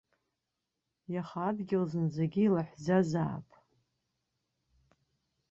Иаха адгьыл зынӡагьы илаҳәӡазаап.